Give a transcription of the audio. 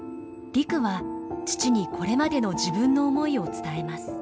陸は父にこれまでの自分の思いを伝えます。